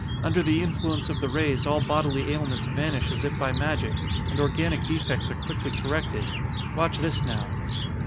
Under the influence of the rays all bodily ailments vanish as if by magic, and organic defects are quickly corrected. Watch this now."